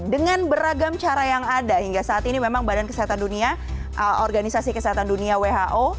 dengan beragam cara yang ada hingga saat ini memang badan kesehatan dunia organisasi kesehatan dunia who